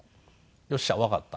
よっしゃわかった。